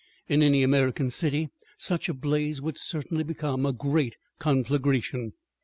In any American city such a blaze would certainly become a great conflagration.